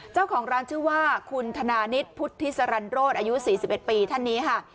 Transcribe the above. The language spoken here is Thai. เจ้าของร้านชื่อว่าคุณธนานิตพุทธิสรรโรศอายุ๔๑ปีท่านนี้ค่ะ